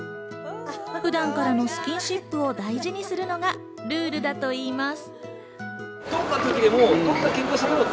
普段からのスキンシップを大事にするのがルールだといいます。